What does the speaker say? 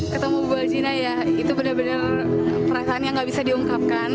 ketemu waljina ya itu benar benar perasaan yang tidak bisa diungkapkan